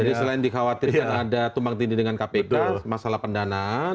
jadi selain dikhawatirkan ada tumbang tinggi dengan kpk masalah pendanaan